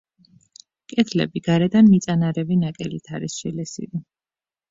კედლები გარედან მიწანარევი ნაკელით არის შელესილი.